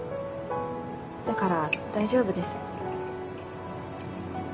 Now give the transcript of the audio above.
だから大丈夫です。